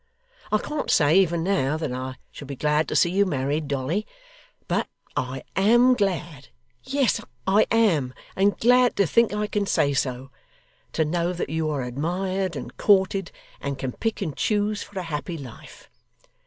I can't say, even now, that I shall be glad to see you married, Dolly; but I AM glad yes, I am, and glad to think I can say so to know that you are admired and courted, and can pick and choose for a happy life.